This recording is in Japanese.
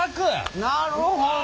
なるほど。